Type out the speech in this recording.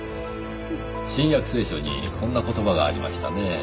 『新約聖書』にこんな言葉がありましたねぇ。